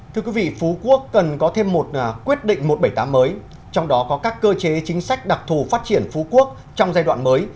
thưa quý vị phú quốc cần có thêm một quyết định một trăm bảy mươi tám mới trong đó có các cơ chế chính sách đặc thù phát triển phú quốc trong giai đoạn mới